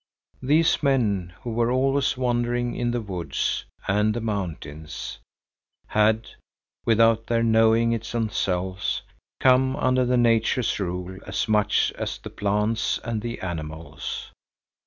These men, who were always wandering in the woods and the mountains, had, without their knowing it themselves, come under nature's rule as much as the plants and the animals.